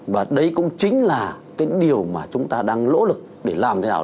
và đấy cũng chính là cái điều mà chúng ta đang lỗ lực để làm thế nào